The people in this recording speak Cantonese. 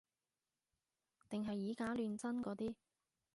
定係以假亂真嗰啲